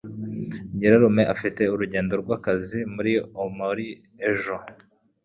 Nyirarume afite urugendo rwakazi muri Aomori ejo.